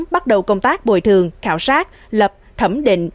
bắt đầu công tác bồi thường khảo sát lập thẩm định